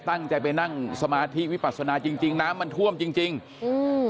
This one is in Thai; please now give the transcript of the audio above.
ตั้งใจไปนั่งสมาธิวิปัสนาจริงจริงน้ำมันท่วมจริงจริงอืม